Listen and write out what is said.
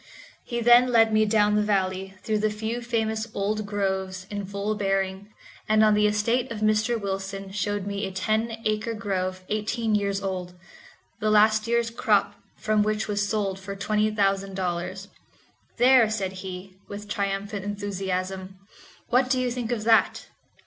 He then led my down the valley, through the few famous old groves in full bearing, and on the estate of Mr. Wilson showed me a ten acre grove eighteen years old, the last year's crop from which was sold for twenty thousand dollars. "There," said he, with triumphant enthusiasm, "what do you think of that?